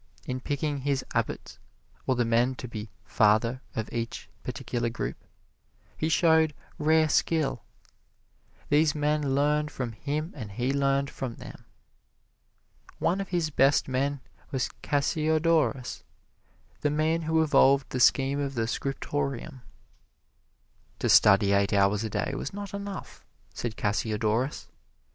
In picking his Abbots, or the men to be "father" of each particular group, he showed rare skill. These men learned from him and he learned from them. One of his best men was Cassiodorus, the man who evolved the scheme of the scriptorium. "To study eight hours a day was not enough," said Cassiodorus.